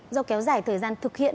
do kéo dài thời gian thực hiện